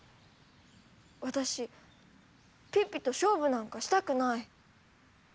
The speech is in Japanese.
私ピッピと勝負なんかしたくない。